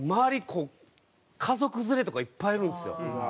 こう家族連れとかいっぱいいるんですよ。